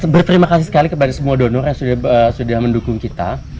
berterima kasih sekali kepada semua donor yang sudah mendukung kita